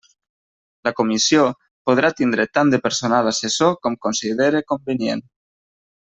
La comissió podrà tindre tant de personal assessor com considere convenient.